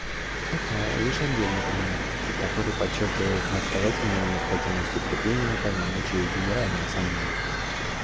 Это лишь отдельный пример, который подчеркивает настоятельную необходимость укрепления полномочий Генеральной Ассамблеи.